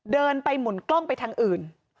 เดินไปหมุนกล้องไปทางอื่น